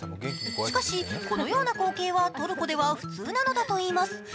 しかし、このような光景はトルコでは普通だといいます。